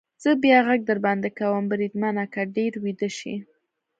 زه بیا غږ در باندې کوم، بریدمنه، که ډېر ویده شې.